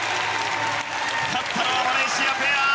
勝ったのはマレーシアペア。